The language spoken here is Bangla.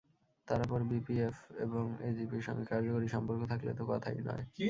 তার ওপর বিপিএফ এবং এজিপির সঙ্গে কার্যকরী সম্পর্ক থাকলে তো কথাই নয়।